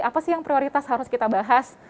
apa sih yang prioritas harus kita bahas